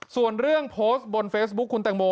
ส่วนเรื่องโพสต์บนเฟซบุ๊คคุณแตงโม